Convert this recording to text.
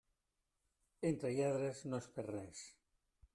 Entre lladres no es perd res.